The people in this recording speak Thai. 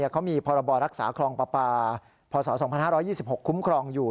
เขามีพรบรักษาคลองปลาปลาพศ๒๕๒๖คุ้มครองอยู่